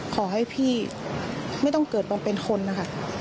ขอให้พี่ไม่ต้องเกิดมาเป็นคนนะคะ